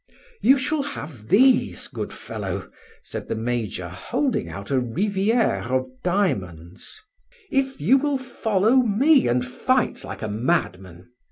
"You shall have these, good fellow," said the major, holding out a riviere of diamonds, "if you will follow me and fight like a madman.